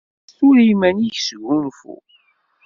Sers tura iman-ik, sgunfu.